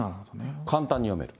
簡単に読める。